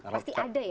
pasti ada ya